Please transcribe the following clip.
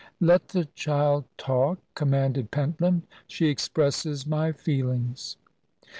"Let the child talk," commanded Pentland; "she expresses my feelings."